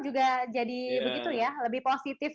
juga jadi begitu ya lebih positif